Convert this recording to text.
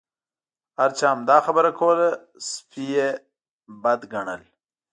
هر چا همدا خبره کوله سپي یې بد ګڼل.